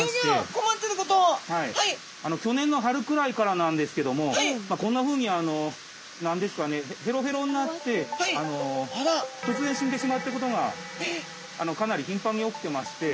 去年の春くらいからなんですけどもこんなふうに何ですかねへろへろになって突然死んでしまってることがかなりひんぱんに起きてまして。